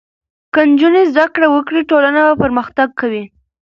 که نجونې زده کړې وکړي ټولنه پرمختګ کوي.